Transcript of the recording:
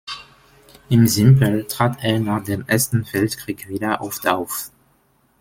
Im Simpl trat er nach dem Ersten Weltkrieg wieder oft auf.